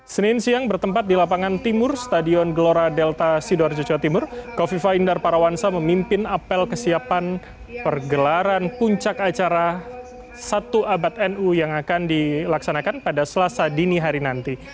senin siang bertempat di lapangan timur stadion gelora delta sidoarjo jawa timur kofifa indar parawansa memimpin apel kesiapan pergelaran puncak acara satu abad nu yang akan dilaksanakan pada selasa dini hari nanti